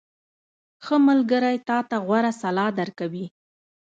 • ښه ملګری تا ته غوره سلا درکوي.